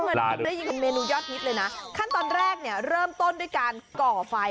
ได้ยินเป็นเมนูยอดฮิตเลยนะขั้นตอนแรกเนี่ยเริ่มต้นด้วยการก่อไฟ